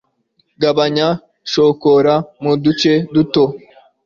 gabanya shokora mo uduce duto